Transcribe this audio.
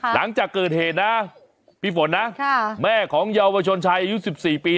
หลังจากเกิดเหตุนะพี่ฝนนะแม่ของเยาวชนชายอายุ๑๔ปี